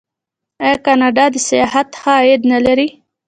آیا کاناډا د سیاحت ښه عاید نلري؟